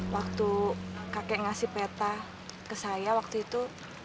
waktu kakek ngasih peta ke saya waktu itu